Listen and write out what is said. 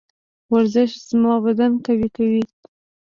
ورزش زما بدن قوي کوي.